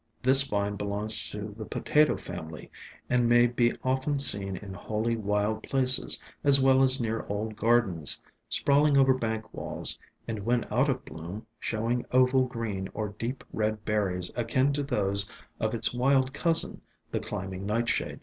This vine belongs to the Potato family, and may be often seen in wholly wild places, as well as near old gardens, sprawling over bank walls and when out of bloom showing oval green or deep red berries akin to those of its wild cousin, the Climbing Nightshade.